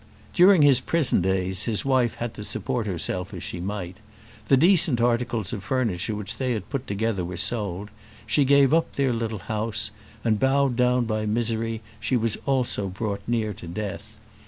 During his prison days his wife had to support herself as she might. The decent articles of furniture which they had put together were sold; she gave up their little house, and, bowed down by misery, she also was brought near to death.